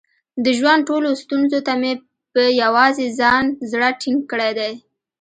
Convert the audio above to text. د ژوند ټولو ستونزو ته مې په یووازې ځان زړه ټینګ کړی دی.